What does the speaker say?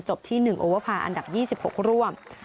ที่๑โอเวอร์ภาอันดับ๒๖ร่วม